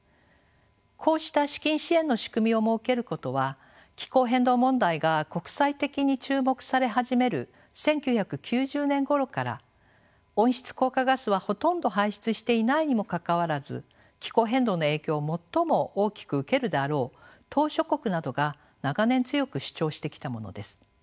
こうした資金支援の仕組みを設けることは気候変動問題が国際的に注目され始める１９９０年ごろから温室効果ガスはほとんど排出していないにもかかわらず気候変動の影響を最も大きく受けるであろう島しょ国などが長年強く主張してきたものです。